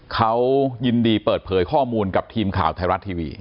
เขายินดีเปิดเผยข้อมูลกับทีมข่าวไทยรัฐทีวี